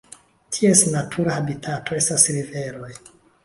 Ties natura habitato estas riveroj.